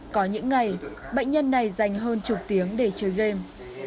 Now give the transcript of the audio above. có những ngày bệnh nhân này dành hơn chục tiếng để chơi game